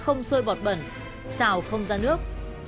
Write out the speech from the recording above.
không sôi bọt bẩn xào không ra nước